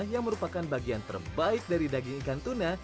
yang merupakan bagian terbaik dari daging ikan tuna